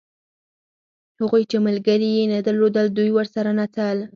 هغوی چې ملګري یې نه درلودل دوی ورسره نڅل.